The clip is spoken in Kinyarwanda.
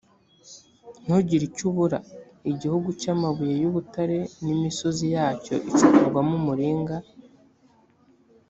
ntugire icyo ubura; igihugu cy’amabuye y’ubutare, n’imisozi yacyo icukurwamo umuringa.